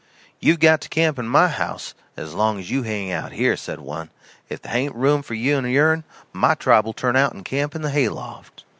"You got to camp in my house as long as you hang out here," said one. "If tha hain't room for you and yourn my tribe'll turn out and camp in the hay loft."